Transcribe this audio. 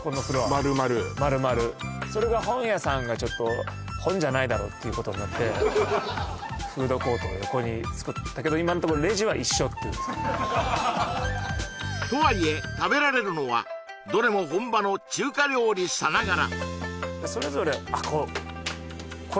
丸々それが本屋さんがちょっと本じゃないだろうっていうことになってフードコートを横に作ったけど今んとこレジは一緒っていうとはいえ食べられるのはどれも本場の中華料理さながらそれぞれあっ